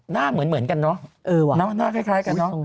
หน้าเหมือนกันหน้าคล้ายกัน